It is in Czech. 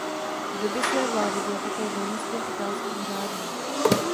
V době své vlády byl také velmistrem italských řádů.